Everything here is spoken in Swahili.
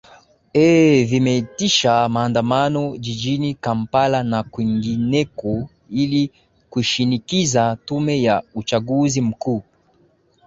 ee vimeitisha maandamano jijini kampala na kwingineko ili kuishinikiza tume ya uchaguzi mkuu